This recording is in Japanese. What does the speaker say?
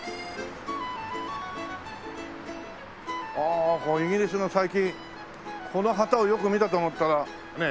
あイギリスの最近この旗をよく見たと思ったらね